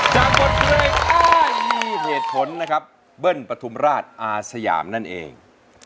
จากบทเพลงอ้อยมีเหตุผลนะครับเบิ้ลปฐุมราชอาสยามนั่นเอง